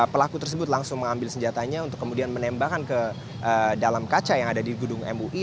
pelaku tersebut langsung mengambil senjatanya untuk kemudian menembakkan ke dalam kaca yang ada di gudung mui